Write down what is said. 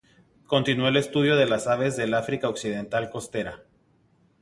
Continuó el estudio de las aves del África occidental costera.